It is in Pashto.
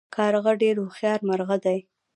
کارغه ډیر هوښیار مرغه دی